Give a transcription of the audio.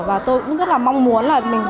và tôi cũng rất là mong muốn là mình